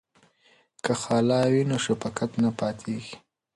که خاله وي نو شفقت نه پاتیږي.